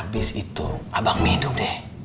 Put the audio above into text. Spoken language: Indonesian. abis itu abang minum deh